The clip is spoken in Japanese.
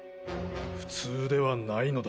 普通ではないのだ。